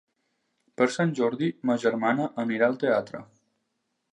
Per Sant Jordi ma germana anirà al teatre.